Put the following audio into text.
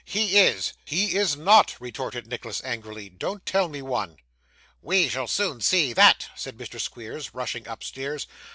'He is.' 'He is not,' retorted Nicholas angrily, 'don't tell me one.' 'We shall soon see that,' said Mr. Squeers, rushing upstairs.